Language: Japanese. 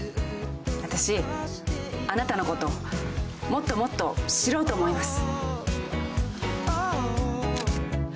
私あなたのこともっともっと知ろうと思います。